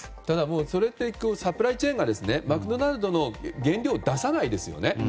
ただ、それって結局サプライチェーンがマクドナルドの原料を出さないですよね。